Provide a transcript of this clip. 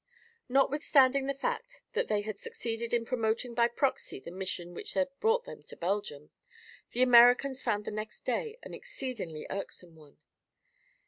Notwithstanding the fact that they had succeeded in promoting by proxy the mission which had brought them to Belgium, the Americans found the next day an exceedingly irksome one.